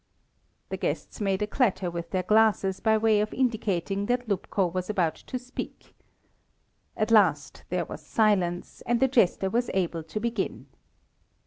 The guests made a clatter with their glasses by way of indicating that Lupko was about to speak. At last there was silence, and the jester was able to begin.